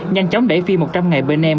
nhanh chóng đẩy phi một trăm linh ngày bên em